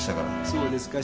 そうですか。